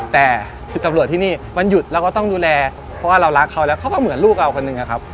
แต่คือตำรวจที่นี่วันหยุดเราก็ต้องดูแลเพราะว่าเรารักเขาแล้วเขาก็เหมือนลูกเราคนหนึ่งอะครับ